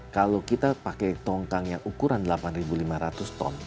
kalau kita pakai tongkang yang ukuran delapan lima ratus ton